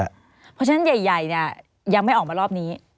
เพราะฉะนั้นใหญ่เนี่ยยังไม่ออกมารอบนี้